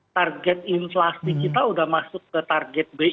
target inflasi kita sudah masuk ke target bi